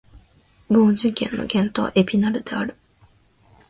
ヴォージュ県の県都はエピナルである